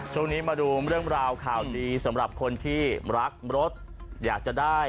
ช่วงนี้มาดูเรื่องราวข่าวดีสำหรับคนที่รักรถอยากจะได้